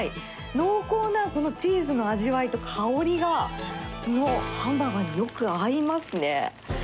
濃厚なこのチーズの味わいと香りが、ハンバーガーによく合いますね。